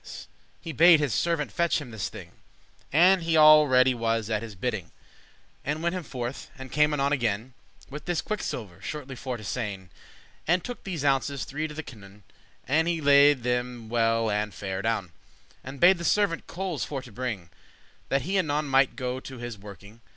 * *certainly He bade his servant fetche him this thing, And he all ready was at his bidding, And went him forth, and came anon again With this quicksilver, shortly for to sayn; And took these ounces three to the canoun; And he them laide well and fair adown, And bade the servant coales for to bring, That he anon might go to his working.